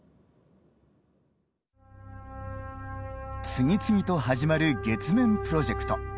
次々と始まる月面プロジェクト。